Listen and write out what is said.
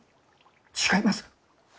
違います！